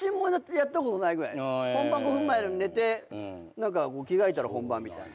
本番５分前なのに寝て着替えたら本番みたいな。